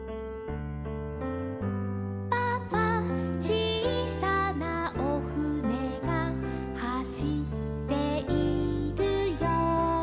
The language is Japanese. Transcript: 「パパちいさなおふねがはしっているよ」